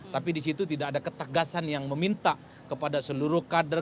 tapi di situ tidak ada ketegasan yang meminta kepada seluruh kader